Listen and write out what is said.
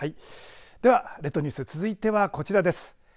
では列島ニュース、続いてはこちらです。